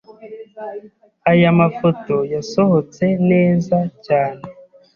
Aya mafoto yasohotse neza cyane.